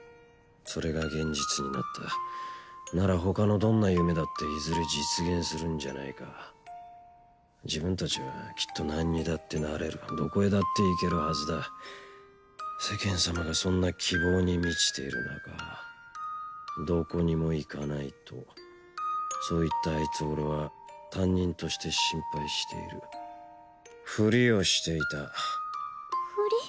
それが現実になったなら他のどんな夢だっていずれ実現するんじゃないか自分達はきっと何にだってなれるどこへだって行けるはずだ世間様がそんな希望に満ちている中どこにも行かないとそう言ったあいつを俺は担任として心配しているふりをしていたふり？